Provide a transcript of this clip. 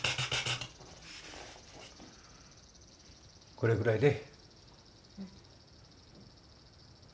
これぐらいで。